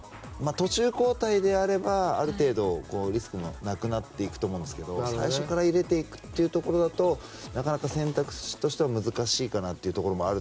途中交代であればある程度リスクもなくなると思いますけど最初から入れていくとなるとなかなか選択肢としては難しいかなと。